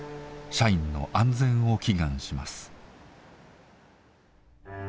社員の安全を祈願します。